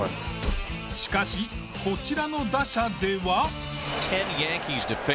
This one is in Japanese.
しかしこちらの打者では。